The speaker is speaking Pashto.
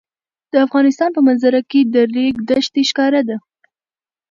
د افغانستان په منظره کې د ریګ دښتې ښکاره ده.